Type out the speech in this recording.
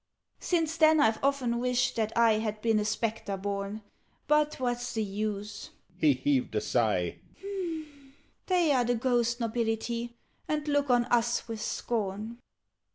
"Since then I've often wished that I Had been a Spectre born. But what's the use?" (He heaved a sigh). "They are the ghost nobility, And look on us with scorn.